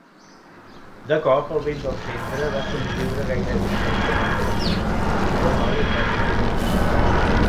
De cop, el vell del centre va somriure gairebé imperceptiblement i el noi es va sentir millor.